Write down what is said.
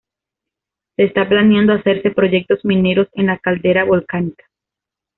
Se está planeando hacerse proyectos mineros en la caldera volcánica.